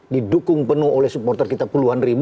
didukung penuh oleh supporter kita puluhan ribu